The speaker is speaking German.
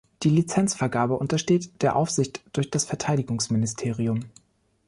Die Lizenzvergabe untersteht der Aufsicht durch das Verteidigungsministerium.